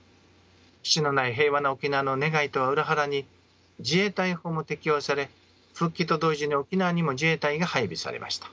基地のない平和な沖縄の願いとは裏腹に自衛隊法も適用され復帰と同時に沖縄にも自衛隊が配備されました。